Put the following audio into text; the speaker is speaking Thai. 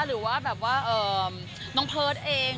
หรือว่าแบบว่าน้องเพิร์ตเอง